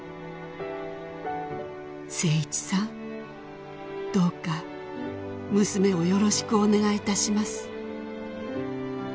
「誠一さんどうか娘をよろしくお願いいたします」